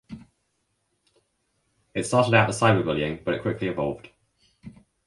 It started out as cyberbullying but it quickly evolved.